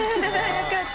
よかった。